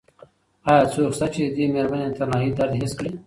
ایا څوک شته چې د دې مېرمنې د تنهایۍ درد حس کړي؟